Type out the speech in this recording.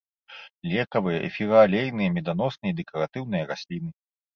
Лекавыя, эфіраалейныя, меданосныя і дэкаратыўныя расліны.